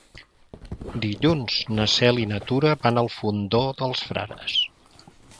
Dilluns na Cel i na Tura van al Fondó dels Frares.